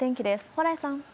蓬莱さん。